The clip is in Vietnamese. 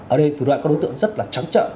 ở đây thủ đoạn các đối tượng rất là trắng trợn